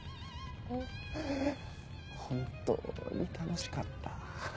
本当に楽しかった。